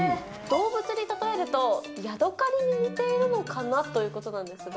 動物に例えるとヤドカリに似ているのかなということなんですが。